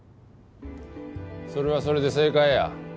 それはそれで正解や。